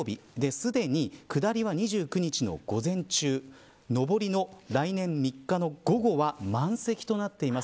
すでに下りは２９日の午前中上りの来年３日の午後は満席となっています。